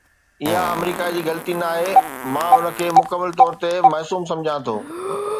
اها آمريڪا جي غلطي ناهي، مان ان کي مڪمل طور تي معصوم سمجهان ٿو